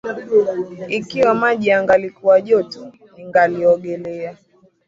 Ikiwa maji yangalikuwa joto, ningaliogelea.